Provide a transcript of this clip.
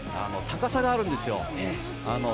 高さがあるんですよ。